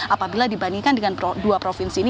apabila dibandingkan dengan dua provinsi ini